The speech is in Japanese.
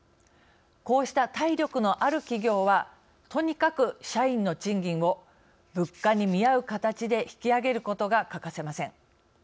こうした体力のある企業はとにかく社員の賃金を物価に見合う形で引き上げることが欠かせません。